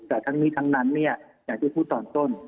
แต่ทั้งนี้ทั้งนั้นอย่างที่พูดตอนต้น